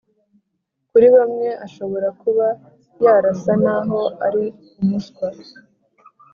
kuri bamwe ashobora kuba yarasa naho ari umuswa.